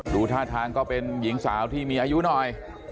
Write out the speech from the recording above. ดูท่าทางก็เป็นหญิงสาวที่มีอายุหน่อย